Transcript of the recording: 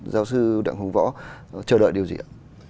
giáo sư đặng hùng võ chờ đợi điều gì ạ